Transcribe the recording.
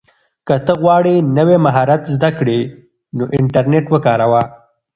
که ته غواړې نوی مهارت زده کړې نو انټرنیټ وکاروه.